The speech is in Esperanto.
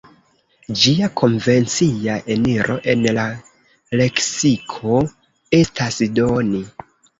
Ĝia konvencia eniro en la leksiko estas "doni".